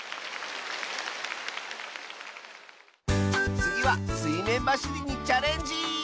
つぎはすいめんばしりにチャレンジ！